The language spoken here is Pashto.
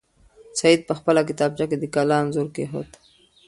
سعید په خپله کتابچه کې د کلا انځور کېښود.